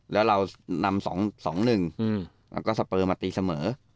แล้วเรานำ๒๑แล้วก็สเปอร์มาตีเสมอ